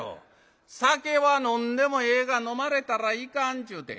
『酒は飲んでもええが飲まれたらいかん』ちゅうて。